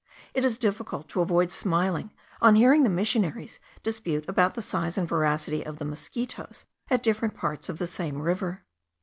It is difficult to avoid smiling on hearing the missionaries dispute about the size and voracity of the mosquitos at different parts of the same river.